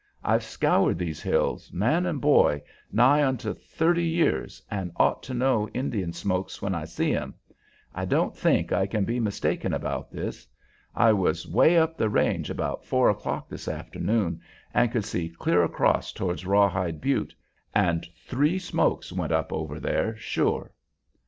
I've scoured these hills man and boy nigh onto thirty years and ought to know Indian smokes when I see 'em. I don't think I can be mistaken about this. I was way up the range about four o'clock this afternoon and could see clear across towards Rawhide Butte, and three smokes went up over there, sure.